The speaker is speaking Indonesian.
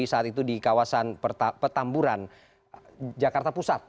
jadi saat itu di kawasan petamburan jakarta pusat